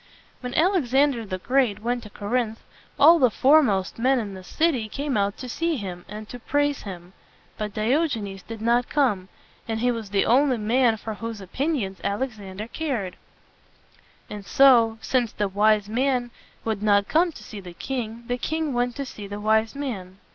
When Alexander the Great went to Cor inth, all the fore most men in the city came out to see him and to praise him. But Diogenes did not come; and he was the only man for whose o pin ions Alexander cared. [Illustration: Diogenes and Alexander.] And so, since the wise man would not come to see the king, the king went to see the wise man.